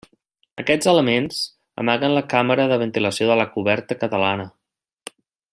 Aquests elements amaguen la càmera de ventilació de la coberta catalana.